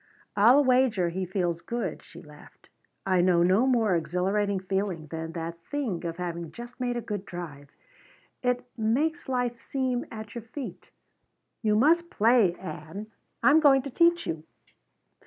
"I'll wager he feels good," she laughed. "I know no more exhilarating feeling than that thing of having just made a good drive. It makes life seem at your feet. You must play, Ann. I'm going to teach you."